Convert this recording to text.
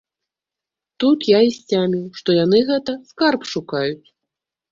Тут я і сцяміў, што яны, гэта, скарб шукаюць.